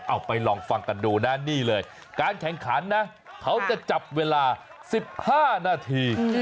เอาไปลองฟังกันดูนะนี่เลยการแข่งขันนะเขาจะจับเวลา๑๕นาที